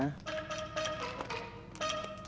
tidak ada yang bisa dikira